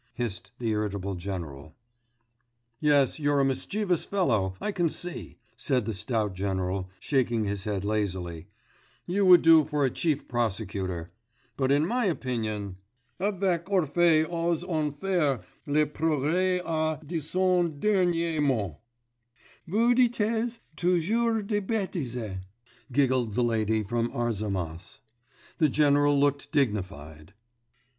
hissed the irritable general. 'Yes, you're a mischievous fellow, I can see,' said the stout general, shaking his head lazily; 'you would do for a chief prosecutor, but in my opinion avec Orphée aux enfers le progrès a dit son dernier mot.' 'Vous dites toujours des bêtises,' giggled the lady from Arzamass. The general looked dignified.